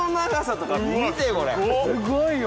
すごいよ！